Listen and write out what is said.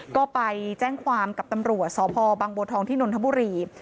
ก็ไปแจ้งความกับตำรวจสพบังบัวทองที่นนทบุรี